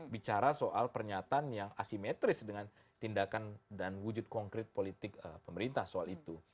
bicara soal pernyataan yang asimetris dengan tindakan dan wujud konkret politik pemerintah soal itu